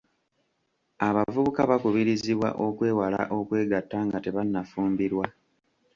Abavubuka bakubirizibwa okwewala okwegatta nga tebannafumbirwa.